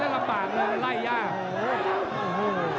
แล้วลำบากแล้วไล่ยาก